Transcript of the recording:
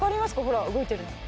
ほら動いてるの。